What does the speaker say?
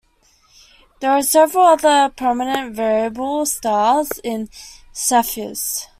There are several other prominent variable stars in Cepheus.